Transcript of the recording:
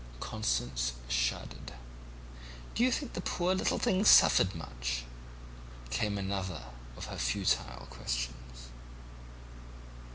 "Constance shuddered. 'Do you think the poor little thing suffered much?' came another of her futile questions.